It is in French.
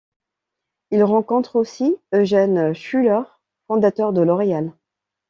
Il rencontre aussi Eugène Schueller, fondateur de L'Oréal.